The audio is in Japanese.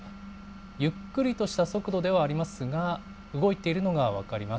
ゆっくりとした速度ではありますが、動いているのが分かります。